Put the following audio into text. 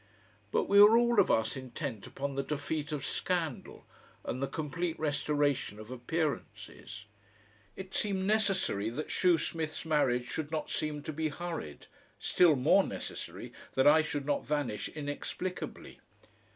But we were all of us intent upon the defeat of scandal and the complete restoration of appearances. It seemed necessary that Shoesmith's marriage should not seem to be hurried, still more necessary that I should not vanish inexplicably.